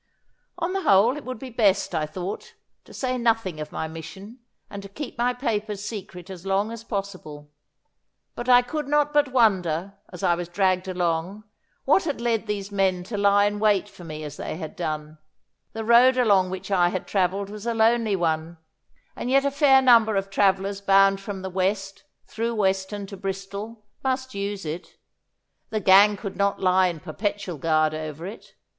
On the whole it would be best, I thought, to say nothing of my mission, and to keep my papers secret as long as possible. But I could not but wonder, as I was dragged along, what had led these men to lie in wait for me as they had done. The road along which I had travelled was a lonely one, and yet a fair number of travellers bound from the West through Weston to Bristol must use it. The gang could not lie in perpetual guard over it.